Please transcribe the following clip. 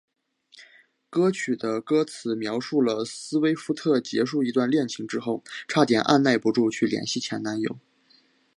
歌曲的歌词描述了斯威夫特结束一段恋情之后差点按捺不住去联系前男友。